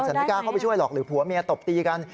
ไม่กล้าเข้าไปช่วยหรอกหรือผัวเมียตบตีกัน